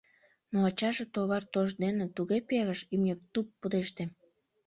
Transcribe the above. Но ачаже товар тош дене туге перыш, имне туп пудеште.